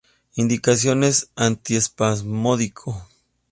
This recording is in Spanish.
Indicaciones: Antiespasmódico.